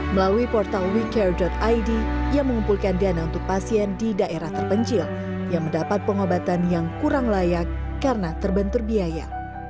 melalui portal wecare id ia mengumpulkan dana untuk pasien di daerah terpencil yang mendapat pengobatan yang kurang layak karena terbentur biaya